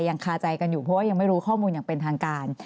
คาใจกันอยู่เพราะว่ายังไม่รู้ข้อมูลอย่างเป็นทางการ